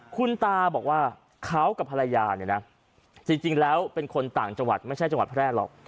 คุณตาบอกว่าเขากับภรรยาเนี่ยนะจริงแล้วเป็นคนต่างจังหวัดไม่ใช่จังหวัดแพร่หรอก